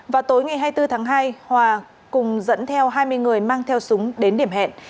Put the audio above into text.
vào tối ngày hai mươi bốn tháng hai hòa cùng dẫn theo hai mươi người mang theo súng đến điểm hẹn